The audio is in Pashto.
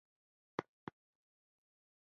محاکم د سټیورات پاچاهانو تر امر لاندې وو.